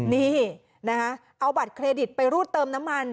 นี่นะคะเอาบัตรเครดิตไปรูดเติมน้ำมัน